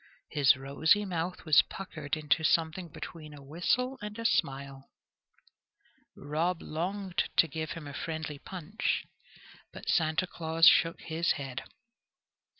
His rosy mouth was puckered into something between a whistle and a smile. Rob longed to give him a friendly punch, but Santa Claus shook his head.